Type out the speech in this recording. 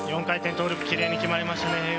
４回転トウループきれいに決まりましたね。